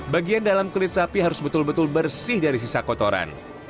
bagian dalam kulit sapi harus betul betul bersih dari sisa kotoran